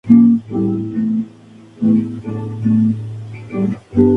El suelo interior por lo demás carece relativamente de rasgos distintivos.